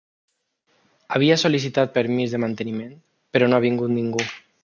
Havia sol·licitat permís de manteniment, però no ha vingut ningú.